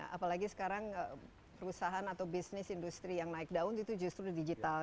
apalagi sekarang perusahaan atau bisnis industri yang naik daun itu justru digital